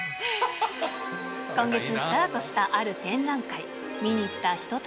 今月スタートしたある展覧会。